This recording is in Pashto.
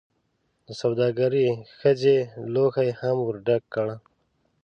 دسوداګرې ښځې لوښي هم ورډک کړل.